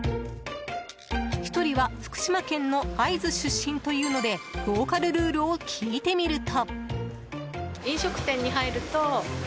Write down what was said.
１人は福島県の会津出身というのでローカルルールを聞いてみると。